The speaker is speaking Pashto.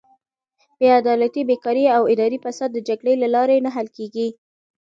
بېعدالتي، بېکاري او اداري فساد د جګړې له لارې نه حل کیږي.